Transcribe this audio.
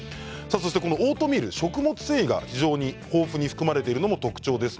オートミールは食物繊維が豊富に含まれているのも特徴です。